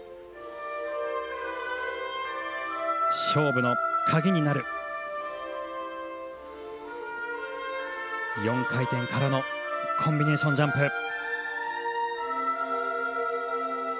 勝負のカギになる４回転からのコンビネーションジャンプ。